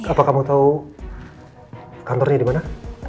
apa kamu tahu kantornya di mana